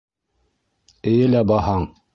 Эйе лә баһаң...